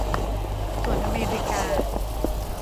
ส่วนอเมริกา